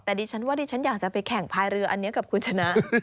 แต่ดิฉันว่าดิฉันอยากจะไปแข่งพายเรืออันนี้กับคุณชนะ